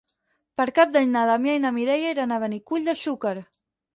Per Cap d'Any na Damià i na Mireia iran a Benicull de Xúquer.